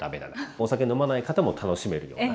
お酒飲まない方も楽しめるような。